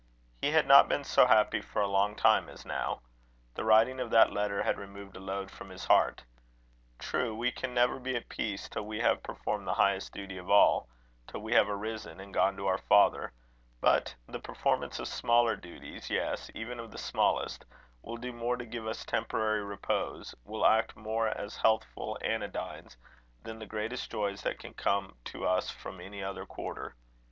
He had not been so happy for a long time as now. The writing of that letter had removed a load from his heart. True, we can never be at peace till we have performed the highest duty of all till we have arisen, and gone to our Father; but the performance of smaller duties, yes, even of the smallest, will do more to give us temporary repose, will act more as healthful anodynes, than the greatest joys that can come to us from any other quarter.